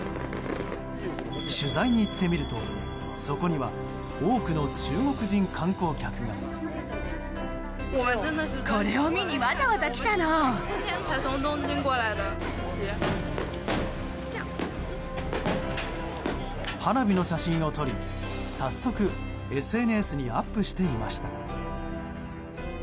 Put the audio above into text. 取材に行ってみるとそこには多くの中国人観光客が。花火の写真を撮り、早速ＳＮＳにアップしていました。